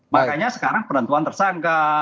makanya sekarang penentuan tersangka